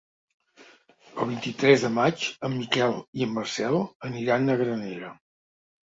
El vint-i-tres de maig en Miquel i en Marcel aniran a Granera.